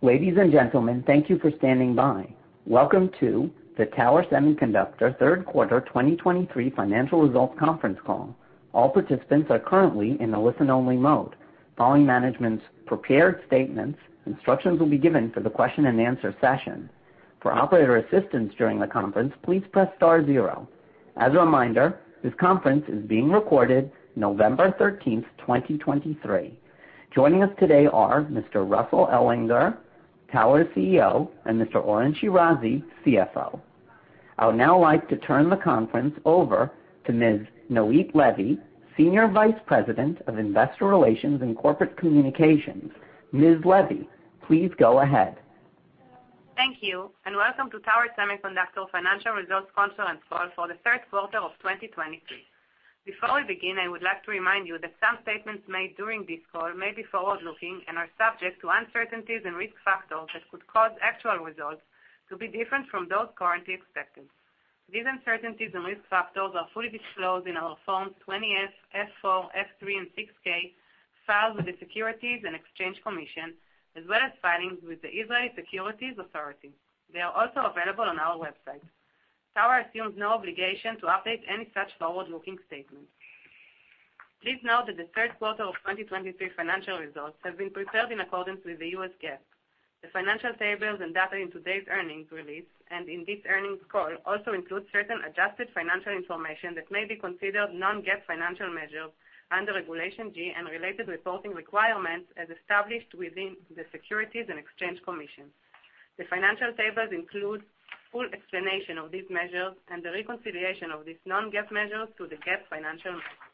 Ladies and gentlemen, thank you for standing by. Welcome to the Tower Semiconductor Q3 2023 Financial Results Conference Call. All participants are currently in a listen-only mode. Following management's prepared statements, instructions will be given for the question-and-answer session. For operator assistance during the conference, please press star zero. As a reminder, this conference is being recorded 13 November 2023. Joining us today are Mr. Russell Ellwanger, Tower CEO, and Mr. Oren Shirazi, CFO. I would now like to turn the conference over to Ms. Noit Levy, Senior Vice President of Investor Relations and Corporate Communications. Ms. Levy, please go ahead. Thank you, and welcome to Tower Semiconductor financial results conference call for the Q3 of 2023. Before we begin, I would like to remind you that some statements made during this call may be forward-looking and are subject to uncertainties and risk factors that could cause actual results to be different from those currently expected. These uncertainties and risk factors are fully disclosed in our Form 20-F, F-4, F-3, and 6-K, filed with the Securities and Exchange Commission, as well as filings with the Israel Securities Authority. They are also available on our website. Tower assumes no obligation to update any such forward-looking statements. Please note that the Q3 of 2023 financial results have been prepared in accordance with U.S. GAAP. The financial tables and data in today's earnings release and in this earnings call also include certain adjusted financial information that may be considered non-GAAP financial measures under Regulation G and related reporting requirements as established within the Securities and Exchange Commission. The financial tables include full explanation of these measures and the reconciliation of these non-GAAP measures to the GAAP financial measures.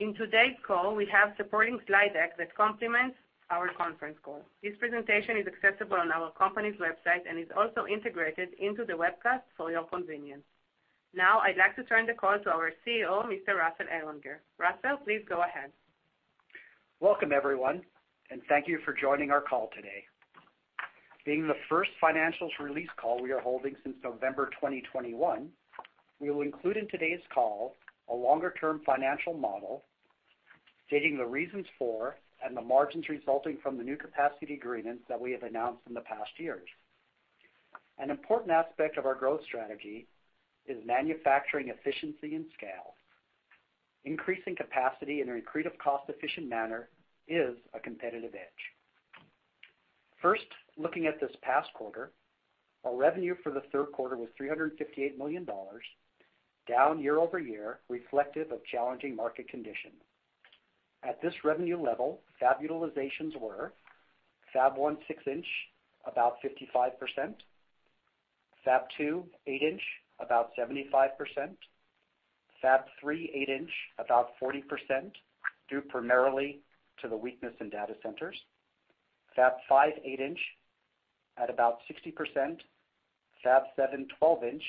In today's call, we have supporting slide deck that complements our conference call. This presentation is accessible on our company's website and is also integrated into the webcast for your convenience. Now, I'd like to turn the call to our CEO, Mr. Russell Ellwanger. Russell, please go ahead. Welcome, everyone, and thank you for joining our call today. Being the first financials release call we are holding since November 2021, we will include in today's call a longer-term financial model, stating the reasons for and the margins resulting from the new capacity agreements that we have announced in the past years. An important aspect of our growth strategy is manufacturing efficiency and scale. Increasing capacity in an accretive, cost-efficient manner is a competitive edge. First, looking at this past quarter, our revenue for the Q3 was $358 million, down year-over-year, reflective of challenging market conditions. At this revenue level, fab utilizations were Fab 1, 6-inch, about 55%; Fab 2, 8-inch, about 75%; Fab 3, 8-inch, about 40%, due primarily to the weakness in data centers; Fab 5, 8-inch, at about 60%; Fab 7, 12-inch,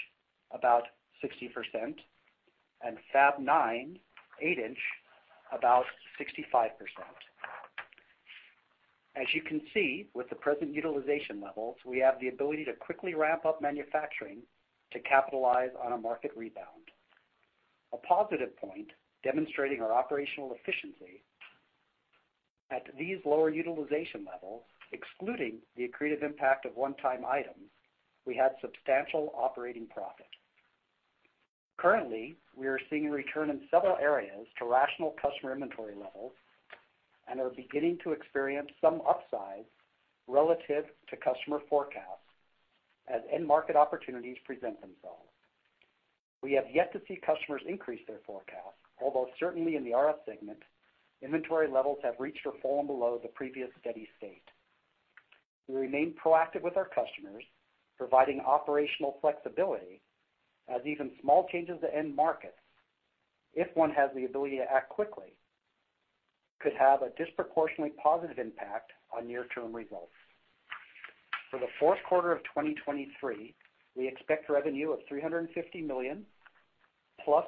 about 60%; and Fab 9, 8-inch, about 65%. As you can see, with the present utilization levels, we have the ability to quickly ramp up manufacturing to capitalize on a market rebound. A positive point demonstrating our operational efficiency at these lower utilization levels, excluding the accretive impact of one-time items. We had substantial operating profit. Currently, we are seeing a return in several areas to rational customer inventory levels and are beginning to experience some upside relative to customer forecasts as end-market opportunities present themselves. We have yet to see customers increase their forecasts, although certainly in the RF segment, inventory levels have reached or fallen below the previous steady state. We remain proactive with our customers, providing operational flexibility as even small changes to end markets, if one has the ability to act quickly, could have a disproportionately positive impact on near-term results. For the Q4 of 2023, we expect revenue of $350 million, ±5%.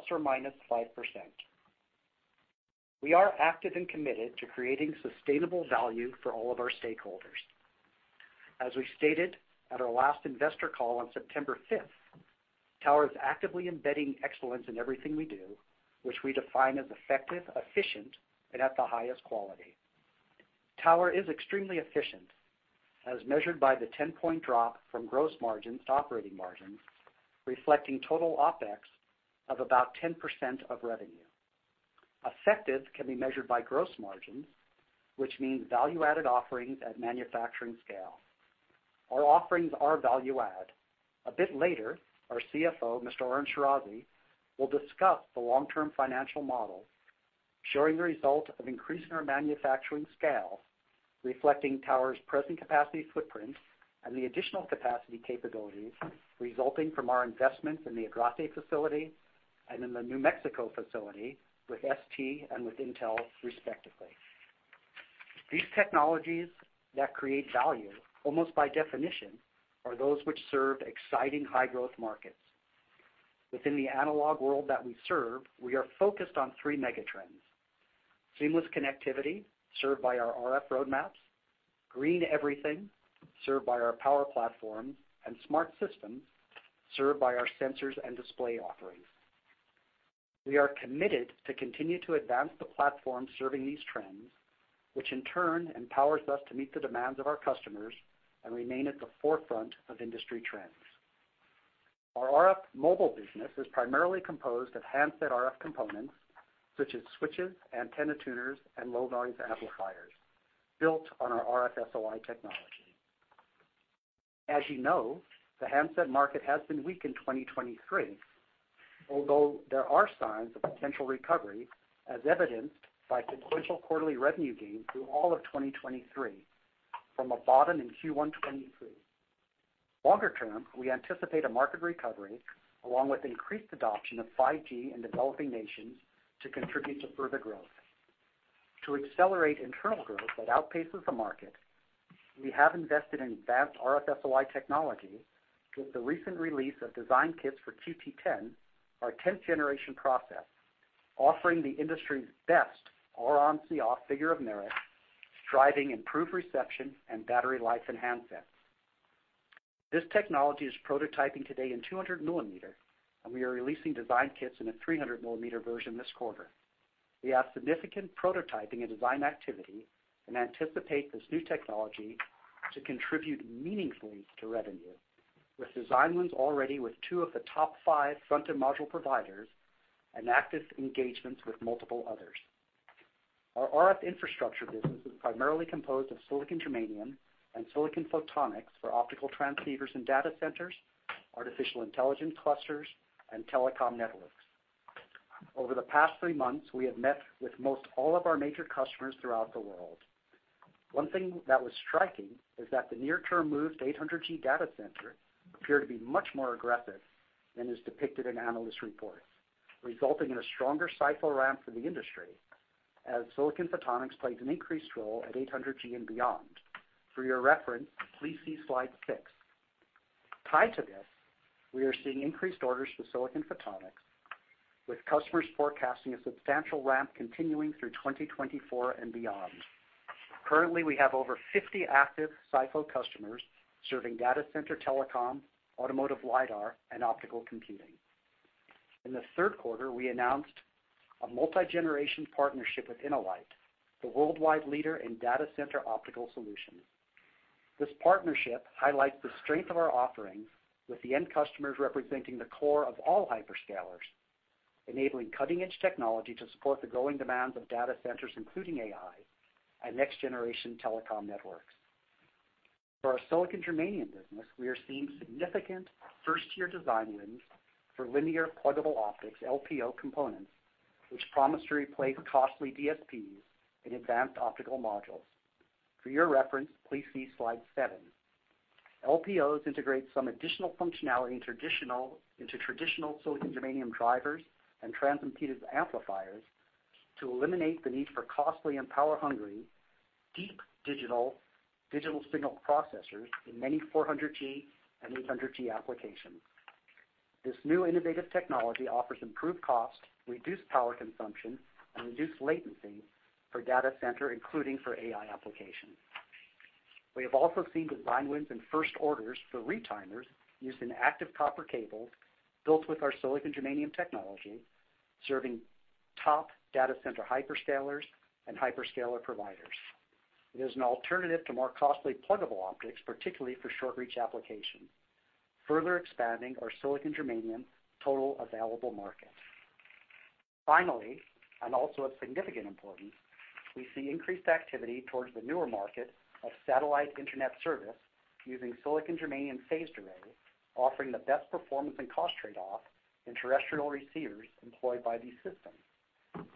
We are active and committed to creating sustainable value for all of our stakeholders. As we stated at our last investor call on September fifth, Tower is actively embedding excellence in everything we do, which we define as effective, efficient, and at the highest quality. Tower is extremely efficient, as measured by the 10-point drop from gross margins to operating margins, reflecting total OpEx of about 10% of revenue. Effective can be measured by gross margins, which means value-added offerings at manufacturing scale. Our offerings are value add. A bit later, our CFO, Mr. Oren Shirazi, will discuss the long-term financial model, showing the result of increasing our manufacturing scale, reflecting Tower's present capacity footprint and the additional capacity capabilities resulting from our investments in the Agrate facility and in the New Mexico facility with ST and with Intel, respectively. These technologies that create value, almost by definition, are those which serve exciting high-growth markets. Within the analog world that we serve, we are focused on three megatrends; seamless connectivity, served by our RF roadmaps, green everything, served by our power platform, and smart systems, served by our sensors and display offerings. We are committed to continue to advance the platform serving these trends, which in turn empowers us to meet the demands of our customers and remain at the forefront of industry trends. Our RF mobile business is primarily composed of handset RF components, such as switches, antenna tuners, and low-noise amplifiers, built on our RF SOI technology. As you know, the handset market has been weak in 2023, although there are signs of potential recovery, as evidenced by sequential quarterly revenue gains through all of 2023, from a bottom in Q1 2023. Longer term, we anticipate a market recovery, along with increased adoption of 5G in developing nations, to contribute to further growth. To accelerate internal growth that outpaces the market, we have invested in advanced RF SOI technology with the recent release of design kits for QT10, our tenth generation process, offering the industry's best R-on C-off figure of merit, driving improved reception and battery life in handsets. This technology is prototyping today in 200mm, and we are releasing design kits in a 300-mm version this quarter. We have significant prototyping and design activity and anticipate this new technology to contribute meaningfully to revenue, with design wins already with two of the top five front-end module providers and active engagements with multiple others. Our RF infrastructure business is primarily composed of silicon germanium and silicon photonics for optical transceivers and data centers, artificial intelligence clusters, and telecom networks. Over the past three months, we have met with most all of our major customers throughout the world. One thing that was striking is that the near-term moves to 800G data center appear to be much more aggressive than is depicted in analyst reports, resulting in a stronger cycle ramp for the industry as silicon photonics plays an increased role at 800G and beyond. For your reference, please see Slide 6. Tied to this, we are seeing increased orders for silicon photonics, with customers forecasting a substantial ramp continuing through 2024 and beyond. Currently, we have over 50 active SiPho customers serving data center telecom, automotive LiDAR, and optical computing. In the Q3, we announced a multi-generation partnership with InnoLight, the worldwide leader in data center optical solutions. This partnership highlights the strength of our offerings with the end customers representing the core of all hyperscalers, enabling cutting-edge technology to support the growing demands of data centers, including AI and next-generation telecom networks. For our silicon germanium business, we are seeing significant first-year design wins for linear pluggable optics, LPO components, which promise to replace costly DSPs in advanced optical modules. For your reference, please see Slide 7. LPOs integrate some additional functionality into traditional silicon germanium drivers and transimpedance amplifiers to eliminate the need for costly and power-hungry, deep digital signal processors in many 400G and 800G applications. This new innovative technology offers improved cost, reduced power consumption, and reduced latency for data center, including for AI applications. We have also seen design wins and first orders for retimers used in active copper cables built with our silicon germanium technology, serving top data center hyperscalers and hyperscaler providers. It is an alternative to more costly pluggable optics, particularly for short-reach applications, further expanding our silicon germanium total available market. Finally, and also of significant importance, we see increased activity towards the newer market of satellite internet service using silicon germanium phased array, offering the best performance and cost trade-off in terrestrial receivers employed by these systems.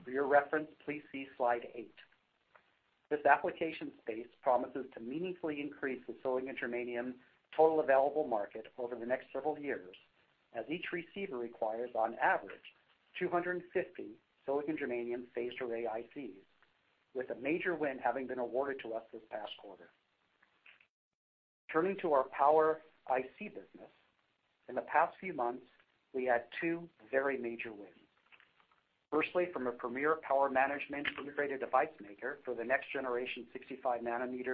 For your reference, please see Slide 8. This application space promises to meaningfully increase the silicon germanium total available market over the next several years, as each receiver requires, on average, 250 silicon germanium phased array ICs, with a major win having been awarded to us this past quarter. Turning to our power IC business. In the past few months, we had two very major wins. Firstly, from a premier power management integrated device maker for the next-generation 65-nm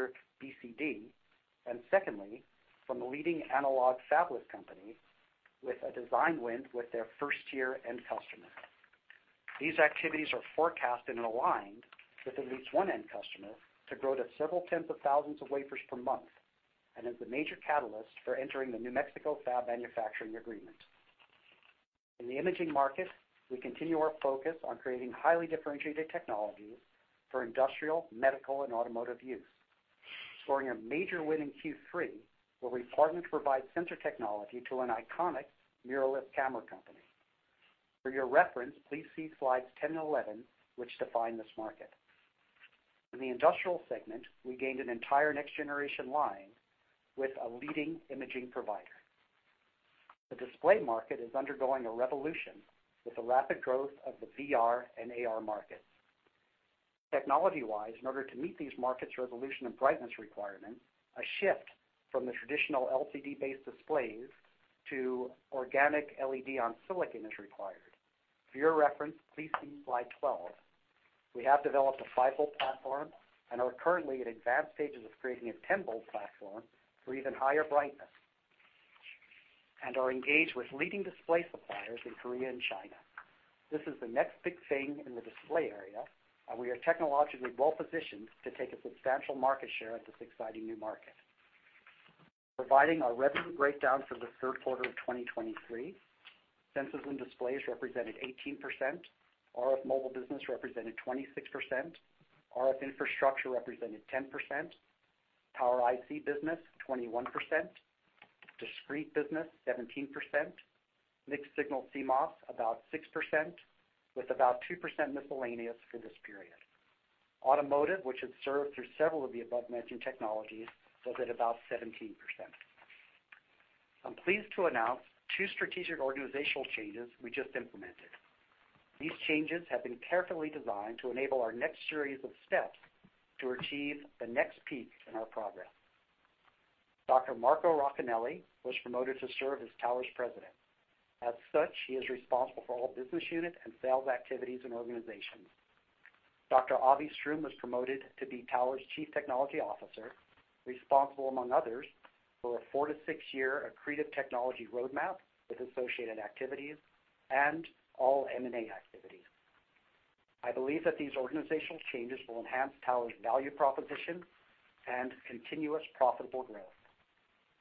BCD, and secondly, from a leading analog fabless company with a design win with their first-tier end customer. These activities are forecasted and aligned with at least one end customer to grow to several tens of thousands of wafers per month and is the major catalyst for entering the New Mexico fab manufacturing agreement. In the imaging market, we continue our focus on creating highly differentiated technologies for industrial, medical, and automotive use, scoring a major win in Q3, where we partnered to provide sensor technology to an iconic mirrorless camera company. For your reference, please see slides 10 and 11, which define this market. In the industrial segment, we gained an entire next-generation line with a leading imaging provider. The display market is undergoing a revolution with the rapid growth of the VR and AR markets. Technology-wise, in order to meet these markets' resolution and brightness requirements, a shift from the traditional LCD-based displays to organic LED on silicon is required. For your reference, please see Slide 12. We have developed a 5V platform and are currently in advanced stages of creating a 10V platform for even higher brightness, and are engaged with leading display suppliers in Korea and China. This is the next big thing in the display area, and we are technologically well positioned to take a substantial market share in this exciting new market. Providing our revenue breakdown for the Q3 of 2023, Sensors and Displays represented 18%, RF Mobile business represented 26%, RF Infrastructure represented 10%, Power IC business, 21%, Discrete business, 17%, Mixed-Signal CMOS, about 6%, with about 2% miscellaneous for this period. Automotive, which is served through several of the above-mentioned technologies, was at about 17%. I'm pleased to announce two strategic organizational changes we just implemented. These changes have been carefully designed to enable our next series of steps to achieve the next peak in our progress. Dr. Marco Racanelli was promoted to serve as Tower's President. As such, he is responsible for all business units and sales activities and organizations. Dr. Avi Strum was promoted to be Tower's Chief Technology Officer, responsible, among others, for a four- to six-year accretive technology roadmap with associated activities and all M&A activities. I believe that these organizational changes will enhance Tower's value proposition and continuous profitable growth.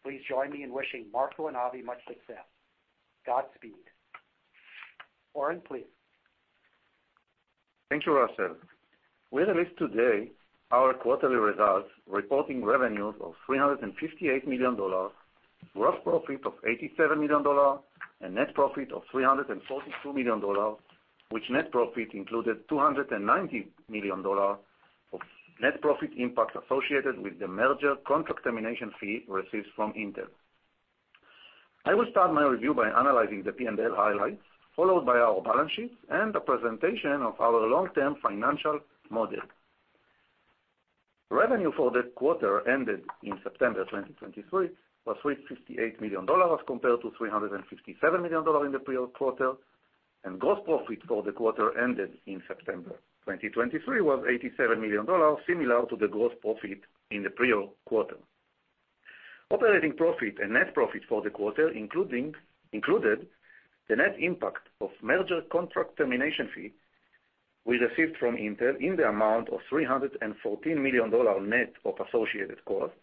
Please join me in wishing Marco and Avi much success. Godspeed. Oren, please. Thank you, Russell. We released today our quarterly results, reporting revenues of $358 million, gross profit of $87 million, and net profit of $342 million, which net profit included $290 million of net profit impact associated with the merger contract termination fee received from Intel. I will start my review by analyzing the P&L highlights, followed by our balance sheet and a presentation of our long-term financial model. Revenue for the quarter ended in September 2023, was $358 million, compared to $357 million in the prior quarter, and gross profit for the quarter ended in September 2023, was $87 million, similar to the gross profit in the prior quarter. Operating profit and net profit for the quarter included the net impact of merger contract termination fee we received from Intel in the amount of $314 million net of associated costs.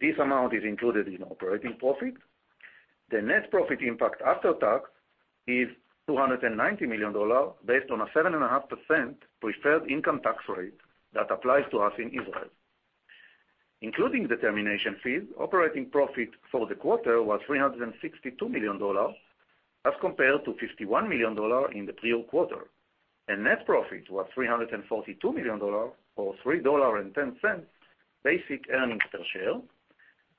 This amount is included in operating profit. The net profit impact after tax is $290 million, based on a 7.5% preferred income tax rate that applies to us in Israel. Including the termination fee, operating profit for the quarter was $362 million, as compared to $51 million in the prior quarter. Net profit was $342 million, or $3.10 basic earnings per share,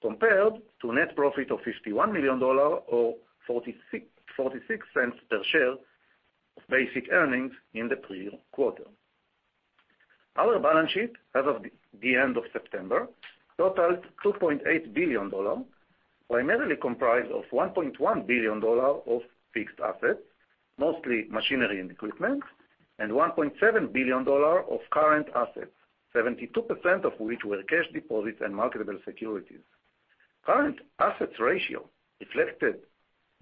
compared to a net profit of $51 million, or $0.46 per share of basic earnings in the prior quarter. Our balance sheet as of the end of September totals $2.8 billion, primarily comprised of $1.1 billion of fixed assets, mostly machinery and equipment, and $1.7 billion of current assets, 72% of which were cash deposits and marketable securities. Current assets ratio,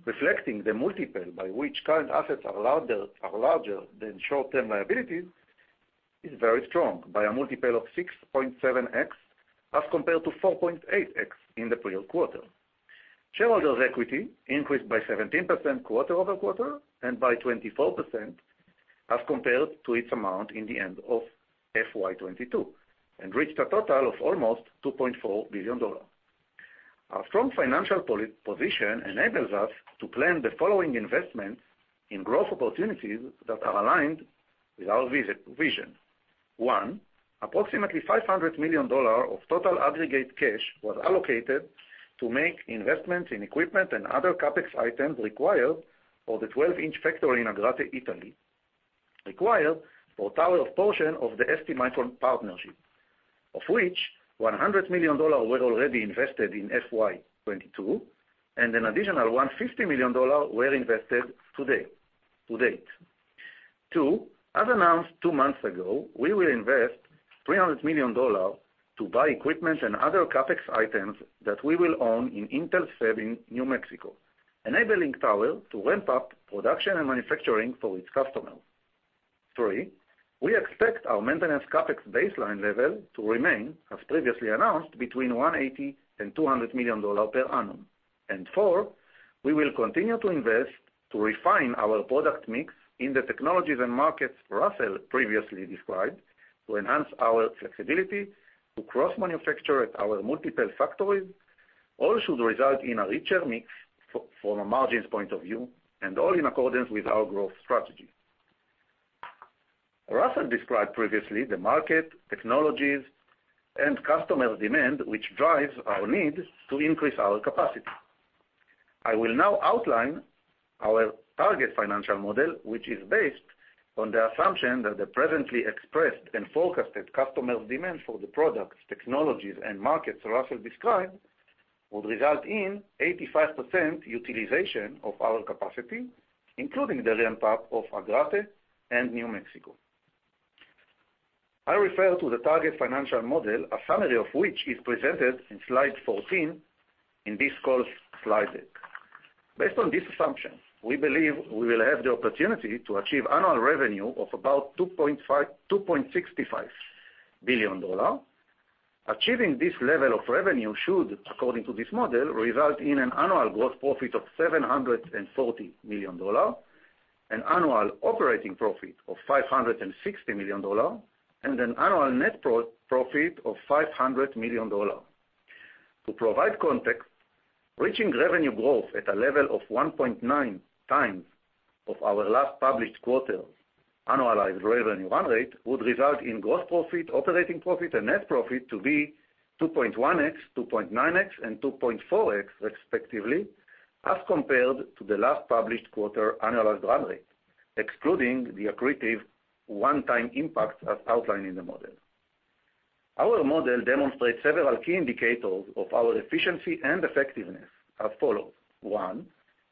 reflecting the multiple by which current assets are larger than short-term liabilities, is very strong, by a multiple of 6.7x, as compared to 4.8x in the prior quarter. Shareholders' equity increased by 17% quarter-over-quarter, and by 24% as compared to its amount in the end of FY 2022, and reached a total of almost $2.4 billion. Our strong financial position enables us to plan the following investments in growth opportunities that are aligned with our vision. One, approximately $500 million of total aggregate cash was allocated to make investments in equipment and other CapEx items required for the 12-inch factory in Agrate, Italy, required for Tower's portion of the STMicroelectronics partnership, of which $100 million were already invested in FY 2022, and an additional $150 million were invested today, to date. Two, as announced two months ago, we will invest $300 million to buy equipment and other CapEx items that we will own in Intel's fab in New Mexico, enabling Tower to ramp up production and manufacturing for its customers. Three, we expect our maintenance CapEx baseline level to remain, as previously announced, between $180 million and $200 million per annum. And four, we will continue to invest to refine our product mix in the technologies and markets Russell previously described, to enhance our flexibility to cross-manufacture at our multiple factories, all should result in a richer mix from a margins point of view, and all in accordance with our growth strategy. Russell described previously the market, technologies, and customer demand, which drives our need to increase our capacity. I will now outline our target financial model, which is based on the assumption that the presently expressed and forecasted customer demand for the products, technologies, and markets Russell described, would result in 85% utilization of our capacity, including the ramp-up of Agrate and New Mexico. I refer to the target financial model, a summary of which is presented in Slide 14 in this call's slide deck. Based on these assumptions, we believe we will have the opportunity to achieve annual revenue of about $2.65 billion. Achieving this level of revenue should, according to this model, result in an annual gross profit of $740 million, an annual operating profit of $560 million, and an annual net profit of $500 million. To provide context, reaching revenue growth at a level of 1.9x of our last published quarter's annualized revenue run rate would result in gross profit, operating profit, and net profit to be 2.1x, 2.9x, and 2.4x, respectively, as compared to the last published quarter annualized run rate, excluding the accretive one-time impacts as outlined in the model. Our model demonstrates several key indicators of our efficiency and effectiveness as follows; one,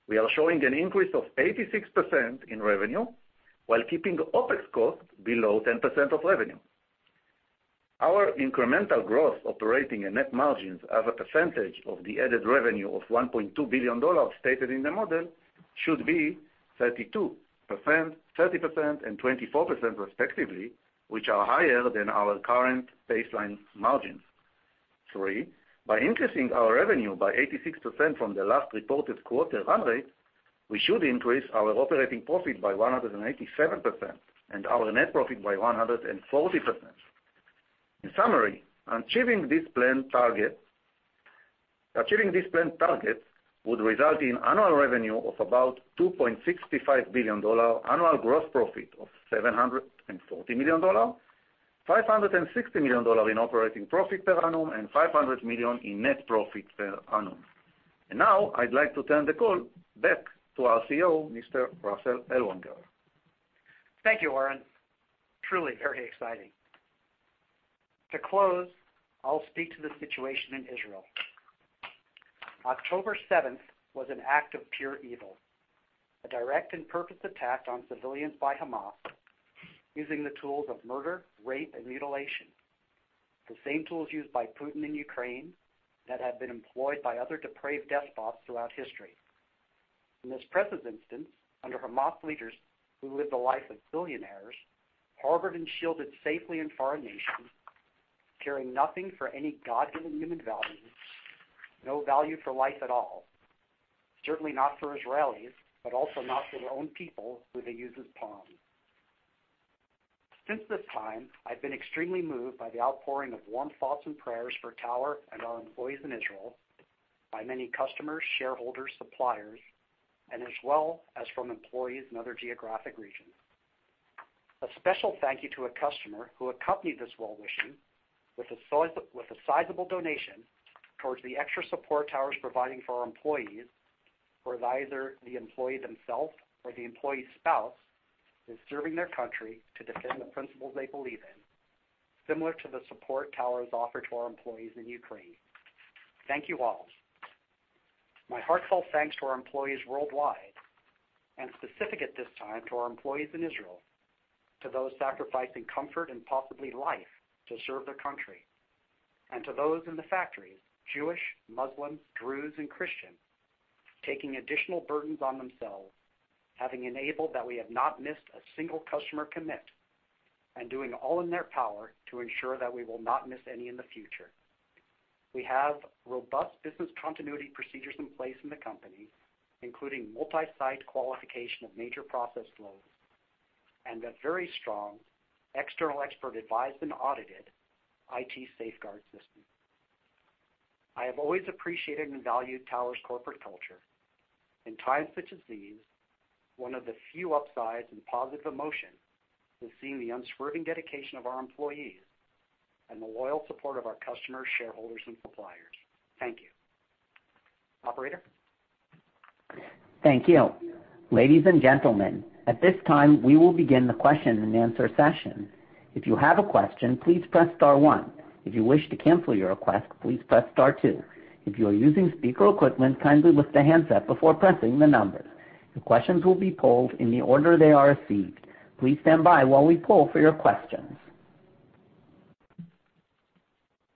we are showing an increase of 86% in revenue while keeping OpEx costs below 10% of revenue. Our incremental gross operating and net margins as a percentage of the added revenue of $1.2 billion stated in the model should be 32%, 30%, and 24%, respectively, which are higher than our current baseline margins. Three, by increasing our revenue by 86% from the last reported quarter run rate, we should increase our operating profit by 187% and our net profit by 140%. In summary, achieving this planned target, achieving this planned target would result in annual revenue of about $2.65 billion, annual gross profit of $740 million, $560 million in operating profit per annum, and $500 million in net profit per annum. And now I'd like to turn the call back to our CEO, Mr. Russell Ellwanger. Thank you, Oren. Truly very exciting. To close, I'll speak to the situation in Israel. 7 October 2023 was an act of pure evil, a direct and purposeful attack on civilians by Hamas using the tools of murder, rape, and mutilation. The same tools used by Putin in Ukraine that have been employed by other depraved despots throughout history. In this present instance, under Hamas leaders who live the life of billionaires, harbored and shielded safely in foreign nations, caring nothing for any God and human values, no value for life at all, certainly not for Israelis, but also not for their own people who they use as pawns. Since this time, I've been extremely moved by the outpouring of warm thoughts and prayers for Tower and our employees in Israel, by many customers, shareholders, suppliers, and as well as from employees in other geographic regions. A special thank you to a customer who accompanied this well-wishing with a sizable donation towards the extra support Tower's providing for our employees, for either the employee themselves or the employee's spouse, is serving their country to defend the principles they believe in, similar to the support Tower has offered to our employees in Ukraine. Thank you all. My heartfelt thanks to our employees worldwide, and specific at this time, to our employees in Israel, to those sacrificing comfort and possibly life to serve their country, and to those in the factories, Jewish, Muslims, Druze, and Christian, taking additional burdens on themselves, having enabled that we have not missed a single customer commit, and doing all in their power to ensure that we will not miss any in the future. We have robust business continuity procedures in place in the company, including multi-site qualification of major process flows and a very strong external expert advised and audited IT safeguard system. I have always appreciated and valued Tower's corporate culture. In times such as these, one of the few upsides and positive emotion is seeing the unswerving dedication of our employees and the loyal support of our customers, shareholders, and suppliers. Thank you. Operator? Thank you. Ladies and gentlemen, at this time, we will begin the question-and-answer session. If you have a question, please press star one. If you wish to cancel your request, please press star two. If you are using speaker equipment, kindly lift the handset before pressing the number. The questions will be polled in the order they are received. Please stand by while we poll for your questions.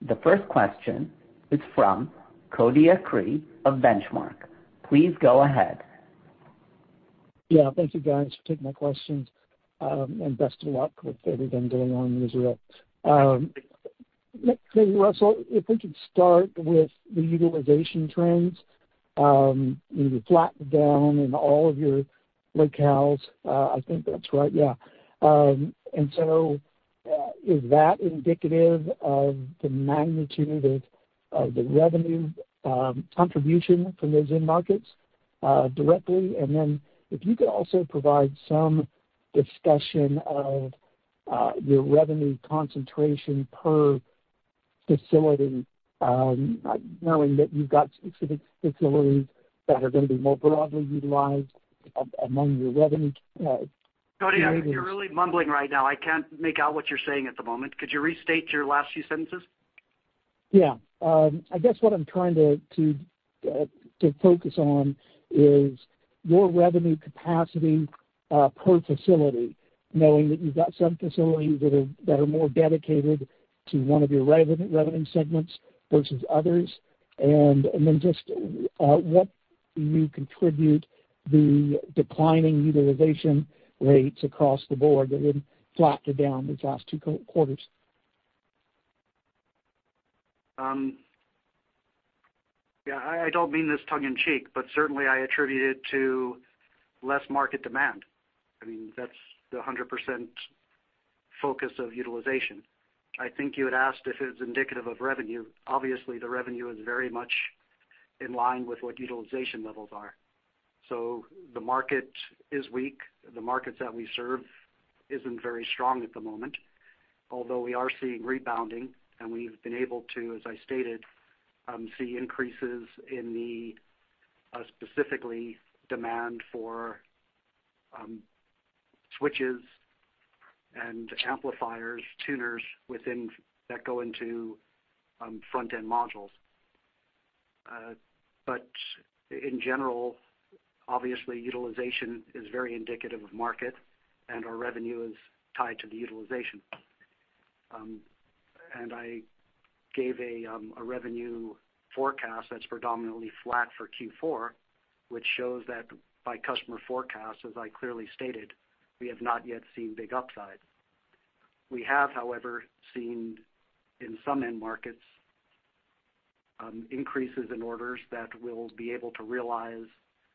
The first question is from Cody Acree of Benchmark. Please go ahead. Yeah, thank you, guys, for taking my questions, and best of luck with everything going on in Israel. Maybe, Russell, if we could start with the utilization trends, you know, flattened down in all of your locales. I think that's right, yeah. And so, is that indicative of the magnitude of the revenue contribution from those end markets directly? And then if you could also provide some discussion of your revenue concentration per facility, knowing that you've got specific facilities that are going to be more broadly utilized among your revenue areas- Cody, you're really mumbling right now. I can't make out what you're saying at the moment. Could you restate your last few sentences? Yeah, I guess what I'm trying to to focus on is your revenue capacity per facility, knowing that you've got some facilities that are more dedicated to one of your revenue segments versus others. And then just what do you attribute the declining utilization rates across the board that have flattened down these last two quarters? Yeah, I don't mean this tongue in cheek, but certainly I attribute it to less market demand. I mean, that's the 100% focus of utilization. I think you had asked if it was indicative of revenue. Obviously, the revenue is very much in line with what utilization levels are. So the market is weak. The markets that we serve isn't very strong at the moment, although we are seeing rebounding, and we've been able to, as I stated, see increases in the specifically demand for switches and amplifiers, tuners that go into front-end modules. But in general, obviously, utilization is very indicative of market, and our revenue is tied to the utilization. And I gave a revenue forecast that's predominantly flat for Q4, which shows that by customer forecast, as I clearly stated, we have not yet seen big upside. We have, however, seen in some end markets, increases in orders that we'll be able to realize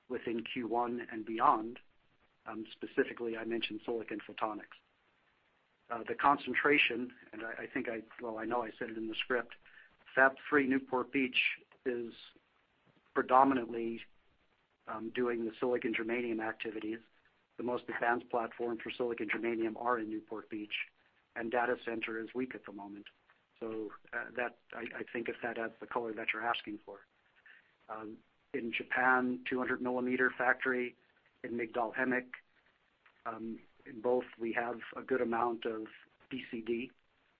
within Q1 and beyond. Specifically, I mentioned silicon photonics. The concentration, and I think, well, I know I said it in the script, Fab 3, Newport Beach, is predominantly doing the silicon germanium activities. The most advanced platform for silicon germanium are in Newport Beach, and data center is weak at the moment. So, that, I think if that adds the color that you're asking for. In Japan, 200-mm factory. In Migdal HaEmek, in both, we have a good amount of BCD,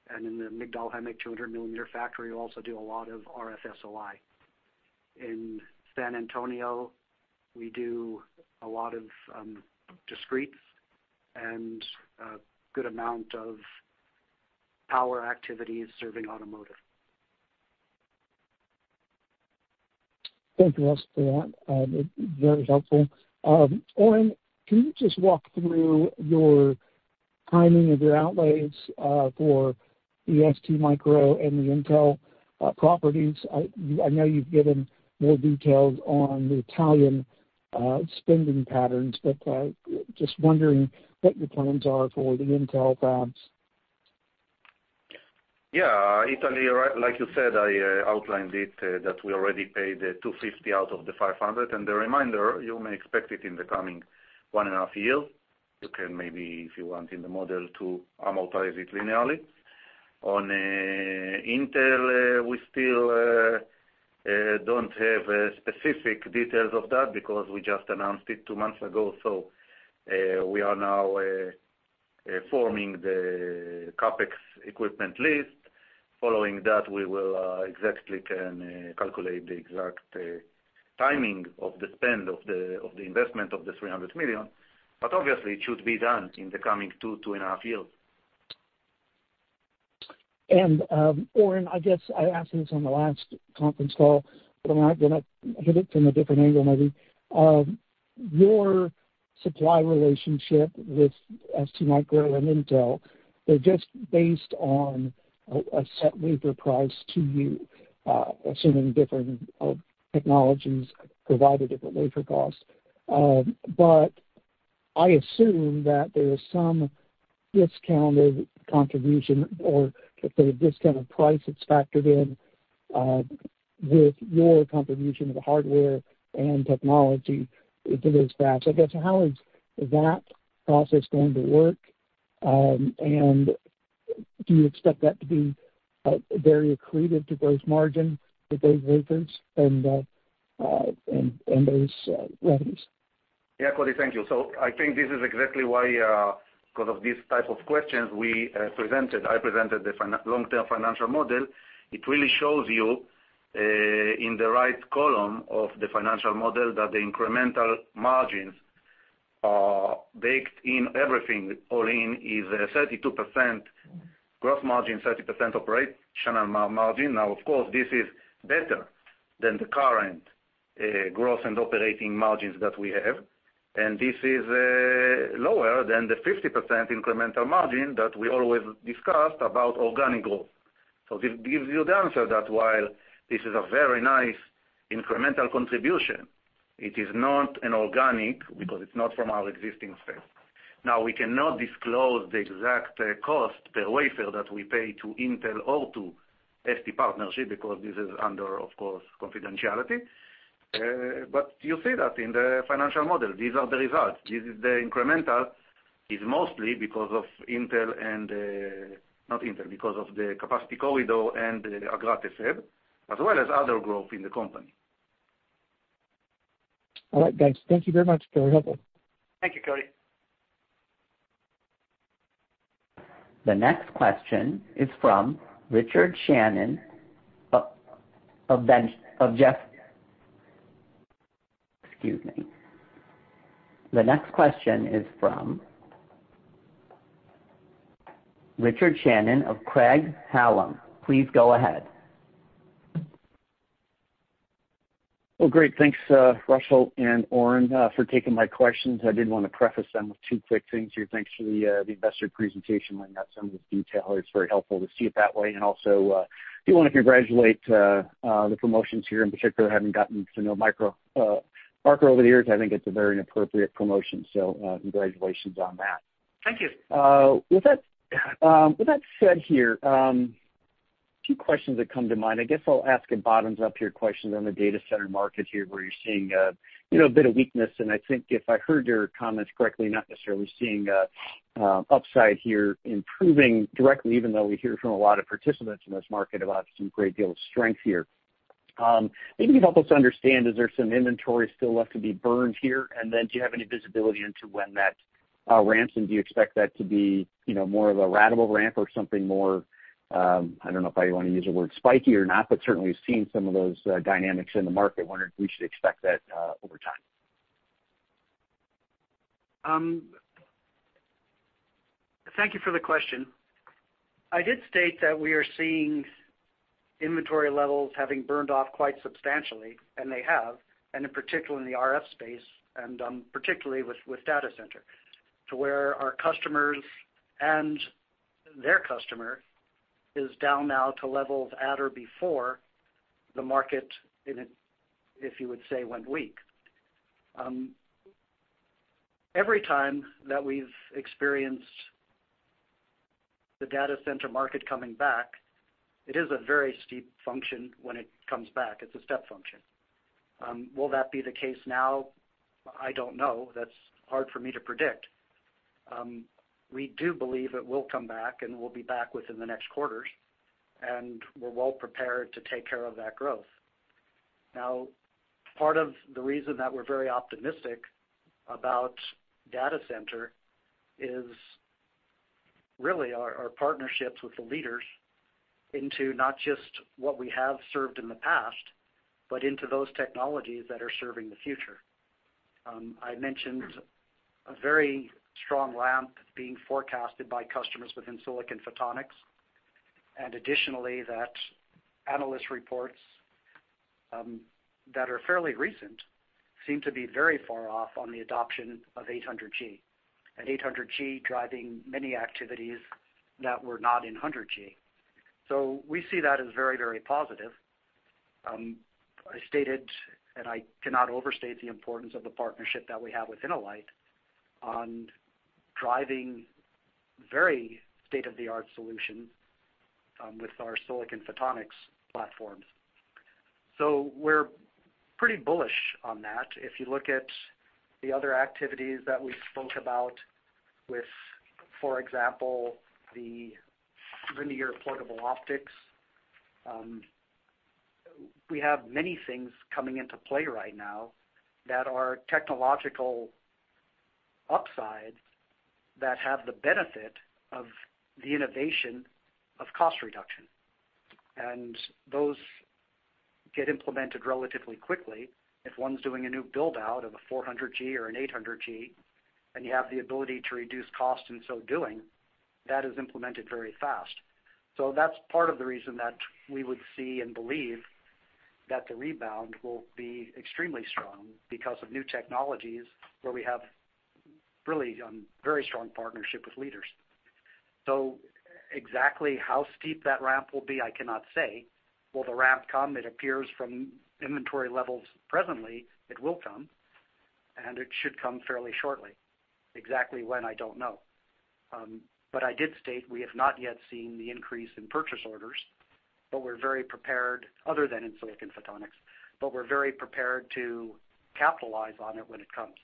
and in the Migdal HaEmek 200-mm factory, we also do a lot of RF SOI. In San Antonio, we do a lot of discretes and a good amount of power activities serving automotive. Thank you, Russ, for that. Very helpful. Oren, can you just walk through your timing of your outlays for the STMicro and the Intel properties? I know you've given more details on the Italian spending patterns, but just wondering what your plans are for the Intel fabs. Yeah, Italy, right, like you said, I outlined it that we already paid $250 out of the $500, and the remainder, you may expect it in the coming 1.5 years. You can maybe, if you want, in the model, to amortize it linearly. On Intel, we still don't have specific details of that because we just announced it two months ago. So, we are now forming the CapEx equipment list. Following that, we will exactly can calculate the exact timing of the spend of the investment of the $300 million, but obviously, it should be done in the coming two to 2.5 years. Oren, I guess I asked this on the last conference call, but I'm not gonna hit it from a different angle maybe. Your supply relationship with STMicro and Intel, they're just based on a set wafer price to you, assuming different technologies provide a different wafer cost. But I assume that there is some discounted contribution or that the discounted price is factored in with your contribution of the hardware and technology, if it is fast. I guess, how is that process going to work? And do you expect that to be very accretive to gross margin with those wafers and those revenues? Yeah, Cody, thank you. So I think this is exactly why, because of these type of questions we presented, I presented the long-term financial model. It really shows you in the right column of the financial model, that the incremental margins are baked in everything. All in is 32% gross margin, 30% operational margin. Now, of course, this is better than the current gross and operating margins that we have, and this is lower than the 50% incremental margin that we always discussed about organic growth. So this gives you the answer that while this is a very nice incremental contribution, it is not an organic, because it's not from our existing space. Now, we cannot disclose the exact cost per wafer that we pay to Intel or to ST partnership, because this is under, of course, confidentiality. You see that in the financial model, these are the results. This is the incremental, is mostly because of Intel and not Intel, because of the capacity corridor and the Agrate fab, as well as other growth in the company. All right, guys. Thank you very much. Very helpful. Thank you, Cody. Excuse me. The next question is from Richard Shannon of Craig-Hallum. Please go ahead. Well, great. Thanks, Russell and Oren, for taking my questions. I did want to preface them with two quick things here. Thanks for the investor presentation. I got some of the detail. It's very helpful to see it that way, and also, do want to congratulate the promotions here, in particular, having gotten to know Mike Barker over the years. I think it's a very appropriate promotion, so, congratulations on that. Thank you. With that said here, two questions that come to mind, I guess I'll ask it bottoms up your questions on the data center market here, where you're seeing, you know, a bit of weakness. And I think if I heard your comments correctly, not necessarily seeing upside here improving directly, even though we hear from a lot of participants in this market about some great deal of strength here. Maybe you can help us understand, is there some inventory still left to be burned here? And then, do you have any visibility into when that ramps, and do you expect that to be, you know, more of a ratable ramp or something more, I don't know if I want to use the word spiky or not, but certainly seeing some of those dynamics in the market, wondering if we should expect that oer time? Thank you for the question. I did state that we are seeing inventory levels having burned off quite substantially, and they have, and in particular in the RF space, and particularly with data center to where our customers and their customer is down now to levels at or before the market in it, if you would say, went weak. Every time that we've experienced the data center market coming back, it is a very steep function when it comes back. It's a step function. Will that be the case now? I don't know. That's hard for me to predict. We do believe it will come back, and we'll be back within the next quarters, and we're well prepared to take care of that growth. Now, part of the reason that we're very optimistic about data center is really our partnerships with the leaders into not just what we have served in the past, but into those technologies that are serving the future. I mentioned a very strong ramp being forecasted by customers within silicon photonics, and additionally, that analyst reports that are fairly recent seem to be very far off on the adoption of 800G. And 800G driving many activities that were not in 100G. So we see that as very, very positive. I stated, and I cannot overstate the importance of the partnership that we have with InnoLight on driving very state-of-the-art solutions with our silicon photonics platforms. So we're pretty bullish on that. If you look at the other activities that we spoke about with, for example, the Linear Pluggable Optics, we have many things coming into play right now that are technological upsides that have the benefit of the innovation of cost reduction. Those get implemented relatively quickly. If one's doing a new build-out of a 400G or an 800G, and you have the ability to reduce cost in so doing, that is implemented very fast. That's part of the reason that we would see and believe that the rebound will be extremely strong because of new technologies, where we have really very strong partnership with leaders. Exactly how steep that ramp will be, I cannot say. Will the ramp come? It appears from inventory levels presently, it will come, and it should come fairly shortly. Exactly when, I don't know. But, I did state we have not yet seen the increase in purchase orders, but we're very prepared, other than in silicon photonics, but we're very prepared to capitalize on it when it comes.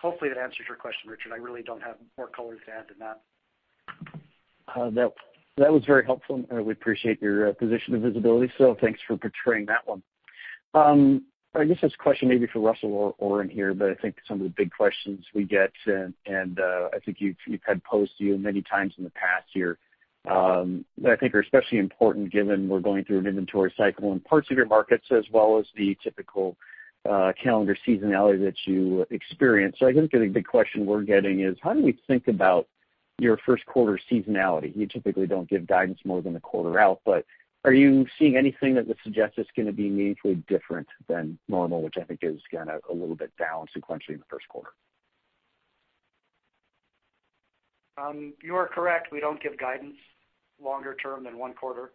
Hopefully, that answers your question, Richard. I really don't have more color to add than that. That was very helpful, and we appreciate your position of visibility. So thanks for portraying that one. I guess this question may be for Russell or Oren here, but I think some of the big questions we get, and I think we've had posed to you many times in the past year, that I think are especially important given we're going through an inventory cycle in parts of your markets, as well as the typical calendar seasonality that you experience. So I think the big question we're getting is, how do we think about your Q1 seasonality? You typically don't give guidance more than a quarter out, but are you seeing anything that would suggest it's gonna be meaningfully different than normal, which I think is kind of a little bit down sequentially in the Q1? You are correct. We don't give guidance longer term than one quarter.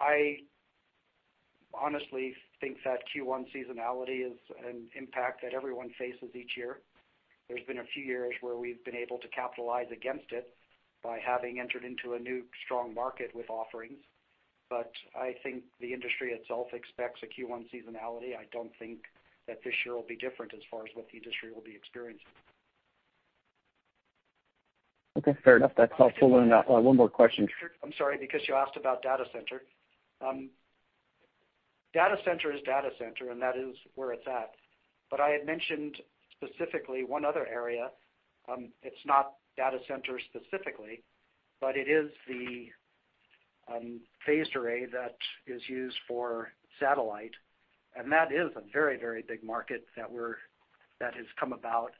I honestly think that Q1 seasonality is an impact that everyone faces each year. There's been a few years where we've been able to capitalize against it by having entered into a new strong market with offerings. But I think the industry itself expects a Q1 seasonality. I don't think that this year will be different as far as what the industry will be experiencing. Okay, fair enough. That's helpful in that. One more question. I'm sorry, because you asked about data center. Data center is data center, and that is where it's at. But I had mentioned specifically one other area. It's not data center specifically, but it is the phased array that is used for satellite, and that is a very, very big market that has come about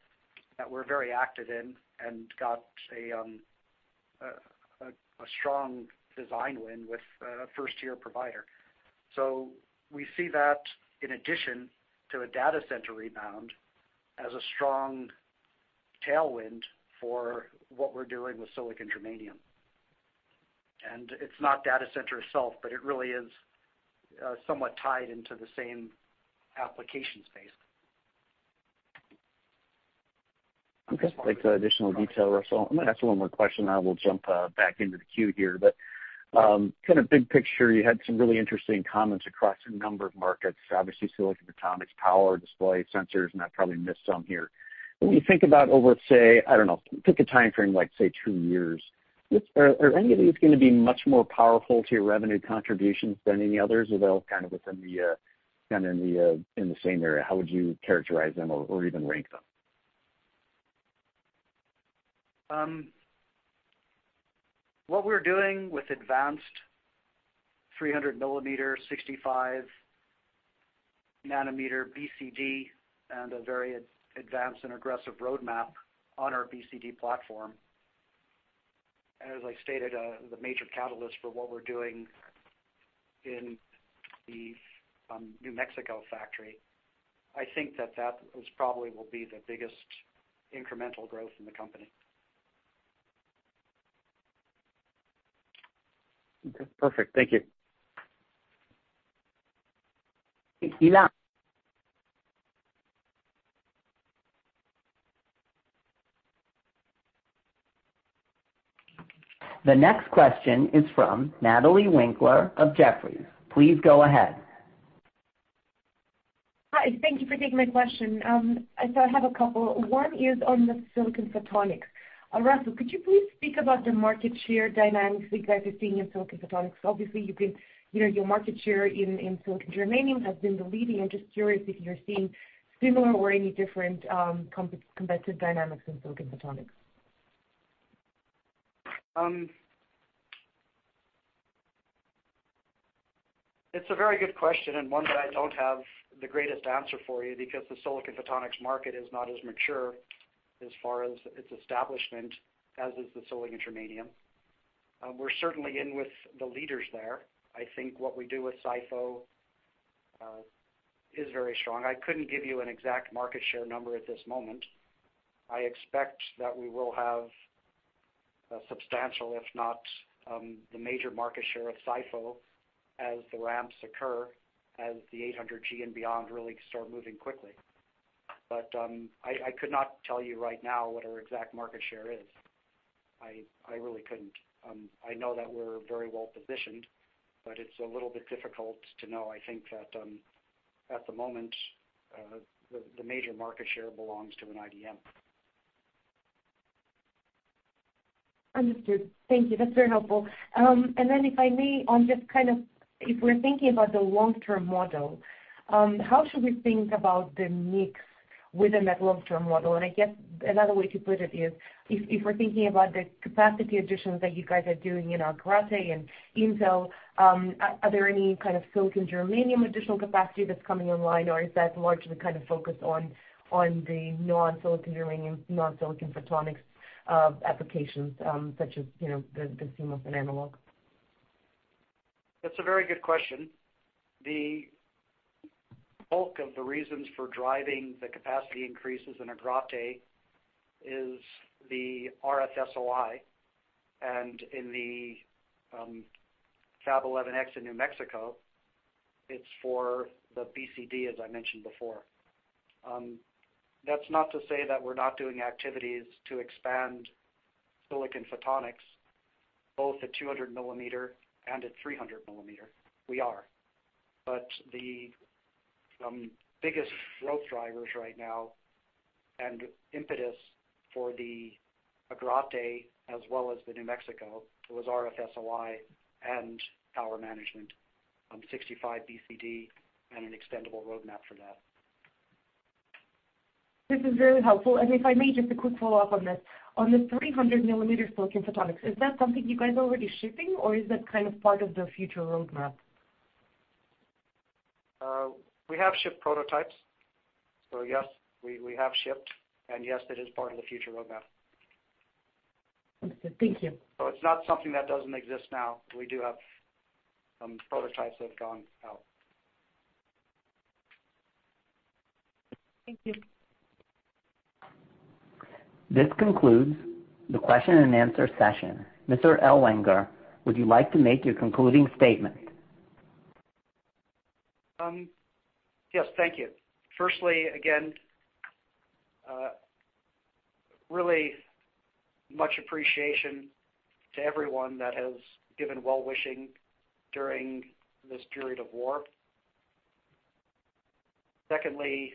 that we're very active in and got a strong design win with a first-tier provider. So we see that in addition to a data center rebound as a strong tailwind for what we're doing with silicon germanium. And it's not data center itself, but it really is somewhat tied into the same application space. Okay, thanks for the additional detail, Russell. I'm gonna ask you one more question, and I will jump back into the queue here. But, kind of big picture, you had some really interesting comments across a number of markets, obviously, silicon photonics, power, display, sensors, and I probably missed some here. When you think about over, say, I don't know, pick a time frame, like, say, two years, which are any of these gonna be much more powerful to your revenue contributions than any others, or are they all kind of within the, kind of in the, in the same area? How would you characterize them or even rank them? What we're doing with advanced 300-mm, 65-nm BCD, and a very advanced and aggressive roadmap on our BCD platform, and as I stated, the major catalyst for what we're doing in the New Mexico factory, I think that that was probably will be the biggest incremental growth in the company. Okay, perfect. Thank you. Thank you. The next question is from Natalia Winkler of Jefferies. Please go ahead. Hi, thank you for taking my question. So I have a couple. One is on the silicon photonics. Russell, could you please speak about the market share dynamics that you guys are seeing in silicon photonics? Obviously, you've been, you know, your market share in Silicon Germanium has been the leading. I'm just curious if you're seeing similar or any different competitive dynamics in silicon photonics . It's a very good question and one that I don't have the greatest answer for you because the silicon photonics market is not as mature as far as its establishment as is the Silicon Germanium. We're certainly in with the leaders there. I think what we do with SiPho is very strong. I couldn't give you an exact market share number at this moment. I expect that we will have a substantial, if not, the major market share of SiPho as the ramps occur, as the 800G and beyond really start moving quickly. But, I, I could not tell you right now what our exact market share is. I, I really couldn't. I know that we're very well positioned, but it's a little bit difficult to know.I think that at the moment the major market share belongs to an IDM. Understood. Thank you. That's very helpful. And then if I may, on just kind of if we're thinking about the long-term model, how should we think about the mix within that long-term model? And I guess another way to put it is, if we're thinking about the capacity additions that you guys are doing in Agrate and Intel, are there any kind of silicon germanium additional capacity that's coming online, or is that largely kind of focused on the non-silicon germanium, non-silicon photonics applications, such as, you know, the CMOS and analog? That's a very good question. The bulk of the reasons for driving the capacity increases in Agrate is the RF SOI, and in the Fab 11X in New Mexico, it's for the BCD, as I mentioned before. That's not to say that we're not doing activities to expand silicon photonics, both at 200mm and at 300mm. We are. But the biggest growth drivers right now and impetus for the Agrate, as well as the New Mexico, was RF SOI and power management on 65 BCD and an extendable roadmap for that. This is very helpful. If I may, just a quick follow-up on this. On the 300mm silicon photonics, is that something you guys are already shipping, or is that kind of part of the future roadmap? We have shipped prototypes, so yes, we have shipped, and yes, it is part of the future roadmap. Understood. Thank you. It's not something that doesn't exist now. We do have some prototypes that have gone out. Thank you. This concludes the question and answer session. Mr. Ellwanger, would you like to make your concluding statement? Yes, thank you. Firstly, again, really much appreciation to everyone that has given well-wishing during this period of war. Secondly,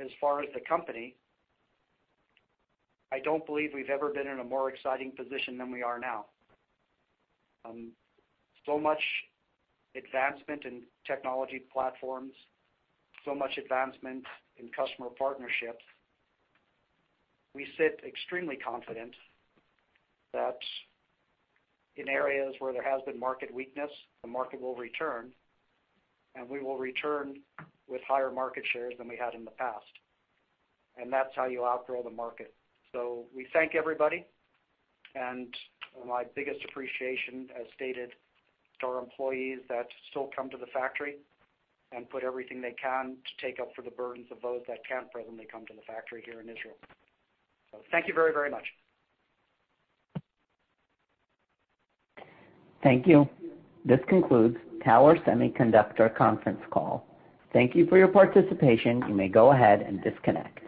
as far as the company, I don't believe we've ever been in a more exciting position than we are now. So much advancement in technology platforms, so much advancement in customer partnerships. We sit extremely confident that in areas where there has been market weakness, the market will return, and we will return with higher market shares than we had in the past, and that's how you outgrow the market. So we thank everybody, and my biggest appreciation, as stated, to our employees that still come to the factory and put everything they can to take up for the burdens of those that can't presently come to the factory here in Israel. So thank you very, very much. Thank you. This concludes Tower Semiconductor conference call. Thank you for your participation. You may go ahead and disconnect.